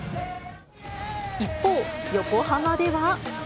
一方、横浜では。